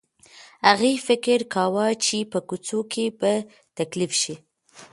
هغې فکر کاوه چې په کوڅو کې به تکليف شي.